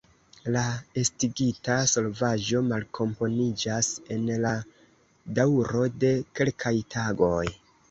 La estigita solvaĵo malkomponiĝas en la daŭro de kelkaj tagoj.